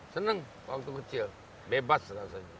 senang waktu kecil bebas rasanya